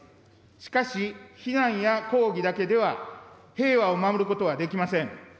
しかし、非難や抗議だけでは平和を守ることはできません。